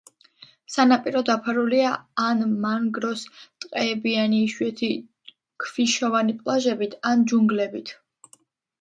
სანაპირო დაფარულია ან მანგროს ტყეებიანი იშვიათი ქვიშოვანი პლაჟებით, ან ჯუნგლებით.